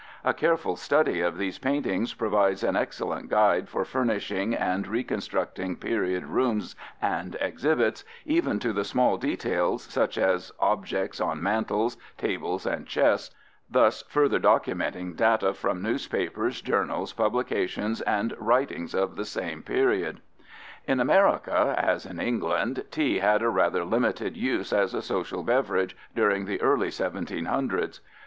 A careful study of these paintings provides an excellent guide for furnishing and reconstructing period rooms and exhibits, even to the small details such as objects on mantels, tables, and chests, thus further documenting data from newspapers, journals, publications, and writings of the same period. In America, as in England, tea had a rather limited use as a social beverage during the early 1700's.